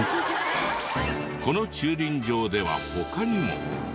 この駐輪場では他にも。